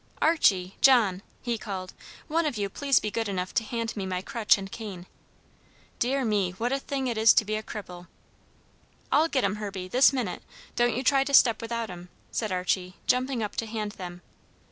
"Archie, John," he called, "one of you please be good enough to hand me my crutch and cane. Dear me, what a thing it is to be a cripple!" "I'll get 'em, Herbie, this minute! Don't you try to step without 'em," said Archie, jumping up to hand them.